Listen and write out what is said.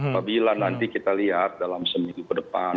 apabila nanti kita lihat dalam seminggu ke depan